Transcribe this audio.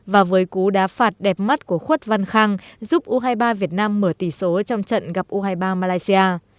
và với cú đá phạt đẹp mắt của khuất văn khang giúp u hai mươi ba việt nam mở tỷ số trong trận gặp u hai mươi ba malaysia